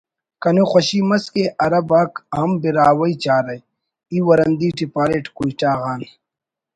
کنے خوشی مس کہ عرب آک ہم براہوئی چارہ…… ای ورندی ٹی پاریٹ…… ”کوئٹہ غان……“